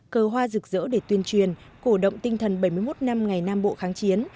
cờ hoa rực rỡ để tuyên truyền cổ động tinh thần bảy mươi một năm ngày nam bộ kháng chiến